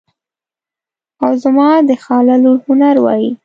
او زما د خاله لور هنر وایي.